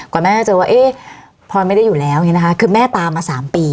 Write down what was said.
แม่จะเจอว่าเอ๊ะพรไม่ได้อยู่แล้วอย่างนี้นะคะคือแม่ตามมา๓ปี